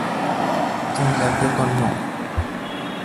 তুমি ল্যাপ্রেকন নও!